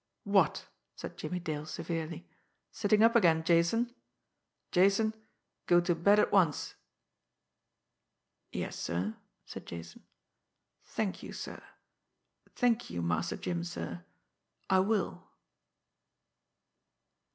"What!" said Jimmie Dale severely. "Sitting up again, Jason? Jason, go to bed at once!" "Yes, sir," said Jason. "Thank you, sir. Thank you, Master Jim, sir I will."